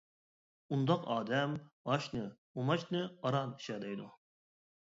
ئۇنداق ئادەم ئاشنى، ئۇماچنى ئاران ئىچەلەيدۇ.